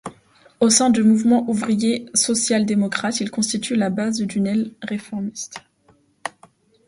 Au sein du mouvement ouvrier social-démocrate, ils constituent la base d'une aile réformiste.